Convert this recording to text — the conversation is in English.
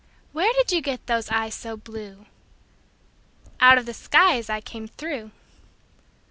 Where did you get those eyes so blue? Out of the sky as I came through.